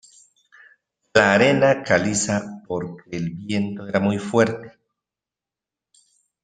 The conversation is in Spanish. la arena caliza porque el viento era muy fuerte.